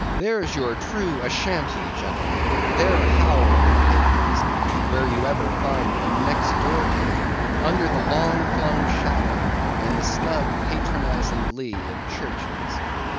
There's your true Ashantee, gentlemen; there howl your pagans; where you ever find them, next door to you; under the long flung shadow, and the snug patronising lee of churches.